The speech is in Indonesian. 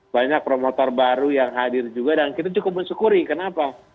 banyak promotor baru yang hadir juga dan kita cukup mensyukuri kenapa